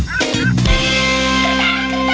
ค่ะ